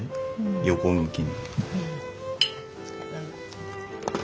横向きの。